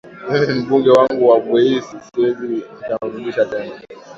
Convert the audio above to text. mimi mbunge wangu wa bweisi siwezi nikamrudisha tena